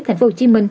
thành phố hồ chí minh